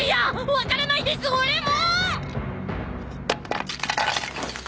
分からないです俺も！